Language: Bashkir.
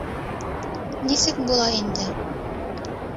Нисек була инде?